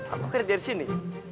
aku kerja di sini